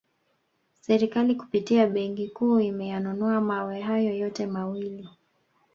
Serikali kupitia benki kuu imeyanunua mawe hayo yote mawili